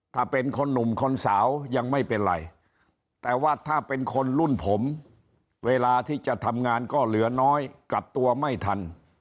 ถ้าเป็นคนหนุ่มคนสาวยังไม่เป็นไรแต่ว่าถ้าเป็นคนรุ่นผมเวลาที่จะทำงานก็เหลือน้อยกลับตัวไม่ทัน